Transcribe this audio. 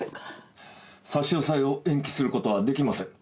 差し押さえを延期する事はできません。